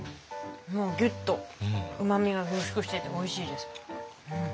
ギュッとうまみが凝縮してておいしいです。